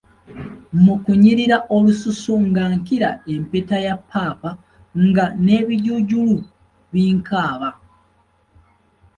Mu kunyirira olususu nga nkira mpeta ya paapa nga n'ebijuujulu binkaaba.